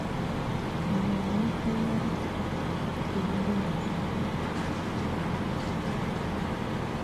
Hinoni hi ná hululuǝ́ niɔ̀fɛna mɔ́ná á ndɔ́ náá.